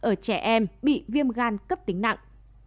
ở trẻ em bị viêm gan cấp tính nặng